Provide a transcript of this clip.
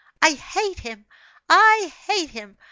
I hate him! I hate him!